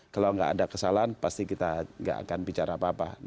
kalau nggak ada kesalahan pasti kita nggak akan bicara apa apa